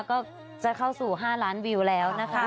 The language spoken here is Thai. ก็จะเข้าสู่๕ล้านวิวแล้วนะคะ